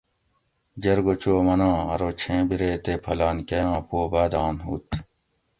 جرگہ چو مناں ارو چھیں بِرے تے پھلانکٞئ آں پو باٞداٞن ہُت